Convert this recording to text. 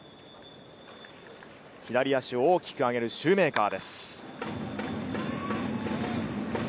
左足を大きく上げるシューメーカーです。